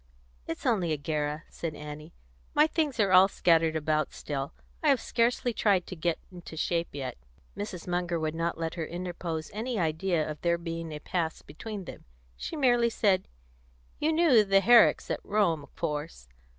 "It's only a Guerra," said Annie. "My things are all scattered about still; I have scarcely tried to get into shape yet." Mrs. Munger would not let her interpose any idea of there being a past between them. She merely said: "You knew the Herricks at Rome, of course.